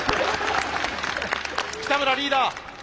北村リーダー。